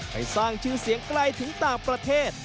ไปสร้างชื่อเสียงไกลถึงต่างประเทศ